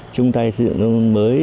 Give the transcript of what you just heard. chung tay xây dựng nông thôn mới